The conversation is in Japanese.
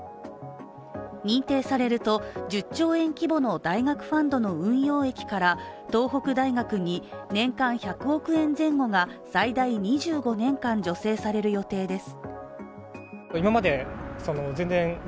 認定されると１０兆円規模の大学ファンドの運用益から東北大学に年間１００億円前後が最大２５年間助成される予定です。